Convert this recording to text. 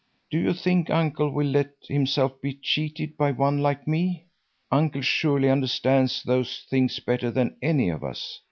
Do you think Uncle will let himself be cheated by one like me? Uncle surely understands those things better than any of us.